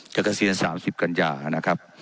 เกษียณ๓๐กันยานะครับ